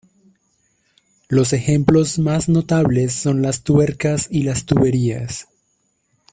Los ejemplos más notables son las tuercas y las tuberías.